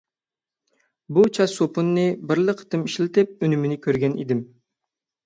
بۇ چاچ سوپۇنىنى بىرلا قېتىم ئىشلىتىپ ئۈنۈمىنى كۆرگەن ئىدىم.